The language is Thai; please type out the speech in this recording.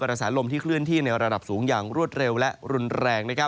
กระแสลมที่เคลื่อนที่ในระดับสูงอย่างรวดเร็วและรุนแรง